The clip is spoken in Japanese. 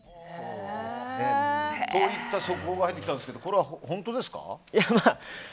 こういった速報が入ってきたんですけどこれは本当ですか？